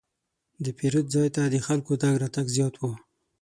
د پیرود ځای ته د خلکو تګ راتګ زیات و.